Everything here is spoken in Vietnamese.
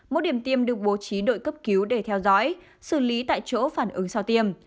mỗi điểm tiêm được bố trí đội cấp cứu để theo dõi xử lý tại chỗ phản ứng sau tiêm